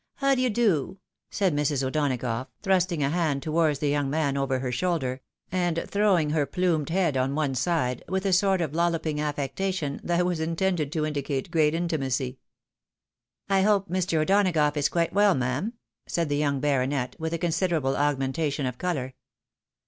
How d'ye do? " said Mrs. O'Donagough, thrusting a hand towards the young man over her shoulder, and throwing her plumed head on one side, with a sort of lolloping affectation that was intended to in dicate great intimacy. " I hope Mr. O'Donagough is quite well, ma'am?" said the young baronet, with a considerable augmentation of colour.